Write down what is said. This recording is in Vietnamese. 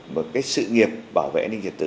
một cái sự nghiệp bảo vệ nhân dân